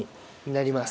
なります。